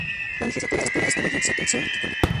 La legislatura estuvo llena de tensión política.